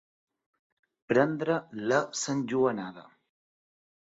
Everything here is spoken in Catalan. Prendre la santjoanada.